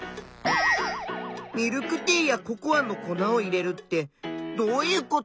「ミルクティーやココアの粉を入れる」ってどういうこと？